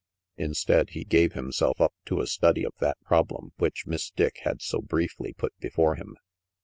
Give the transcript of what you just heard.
Instead, he gave himself up to a study of that problem which Miss Dick had so briefly put before him.